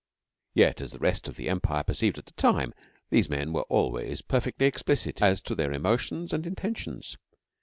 Yet, as the rest of the Empire perceived at the time, these men were always perfectly explicit as to their emotions and intentions.